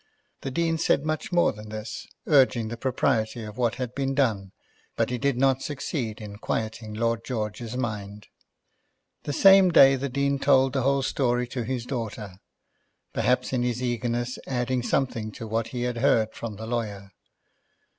The Dean said much more than this, urging the propriety of what had been done, but he did not succeed in quieting Lord George's mind. That same day the Dean told the whole story to his daughter, perhaps in his eagerness adding something to what he had heard from the lawyer.